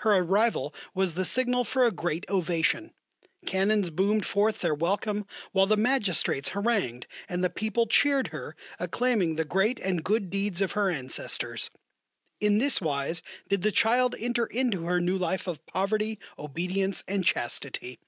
Her arrival was the signal for a great ovation. Cannons boomed forth their welcome, while the Magistrates harangued, and the people cheered her, acclaiming the great and good deeds of her ancestors. In this wise did the child enter into her new life of poverty, obedience, and chastity.